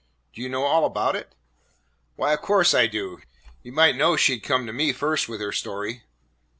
"Do you know all about it?" "Why, of course I do. You might know she 'd come to me first with her story."